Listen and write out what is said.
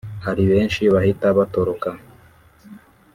hari benshi bahita batoroka